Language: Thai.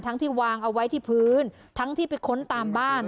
ที่วางเอาไว้ที่พื้นทั้งที่ไปค้นตามบ้าน